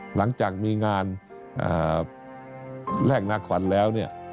หลังจากมีงานแลกนาขวัญแล้วเนี่ย